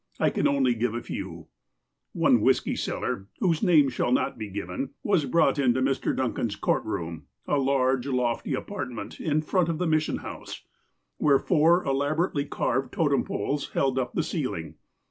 I can only give a few : One whiskey seller, whose name shall not be given, was brought into Mr. Duncan's court room, a large, lofty apartment, in front of the Mission House, where four elaborately carved totem poles held up the ceiling.